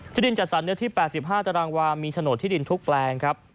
ที่ดินจัดสรรเนื้อที่๘๕ตารางวามีโฉนดที่ดินทุกแปลงครับ